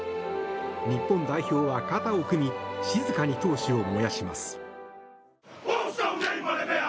日本代表は肩を組み静かに闘志を燃やします。